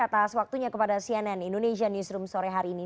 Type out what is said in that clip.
atas waktunya kepada cnn indonesia newsroom sore hari ini